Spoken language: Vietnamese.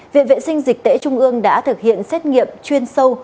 viện vệ sinh dịch tễ trung ương đã thực hiện xét nghiệm chuyên sâu